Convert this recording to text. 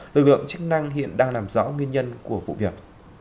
lực lượng chức năng hiện đang làm rõ nguyên nhân của vụ việc